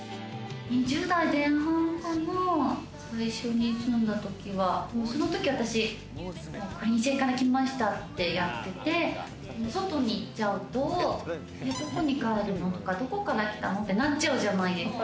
２０代前半かな、最初に住んだときはその時、私、こりん星から来ましたってやってて、外に行っちゃうとどこに帰るの？とか、どこから来たの？ってなっちゃうじゃないですか。